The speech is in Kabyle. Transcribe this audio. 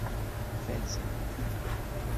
Fazent.